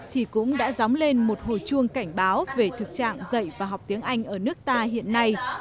thì cũng đã dóng lên một hồi chuông cảnh báo về thực trạng dạy và học tiếng anh ở nước ta hiện nay